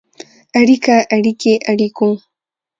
اړیکه ، اړیکې، اړیکو.